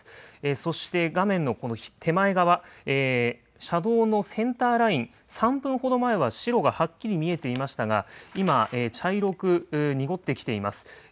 そして画面のこの手前側、車道のセンターライン、３分ほど前は白がはっきり見えていましたが、今、茶色く濁ってきています。